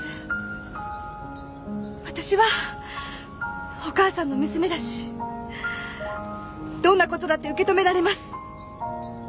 私はお母さんの娘だしどんなことだって受け止められます。